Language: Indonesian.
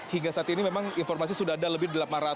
hingga saat ini memang informasi sudah ada lebih